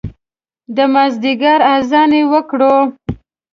د مازدیګر اذان یې وکړو